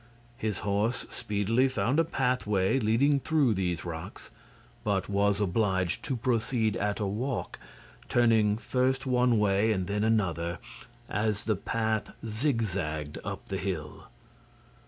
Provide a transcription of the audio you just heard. His horse speedily found a pathway leading through these rocks, but was obliged to proceed at a walk, turning first one way and then another as the path zigzagged up the hill.